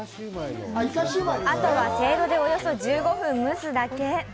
あとは、せいろでおよそ１５分、蒸すだけ。